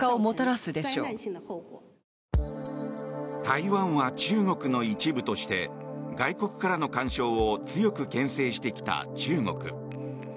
台湾は中国の一部として外国からの干渉を強くけん制してきた中国。